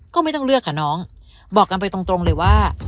ก็ไม่ต้องเลือกค่ะน้องบอกกันไปตรงเลยว่า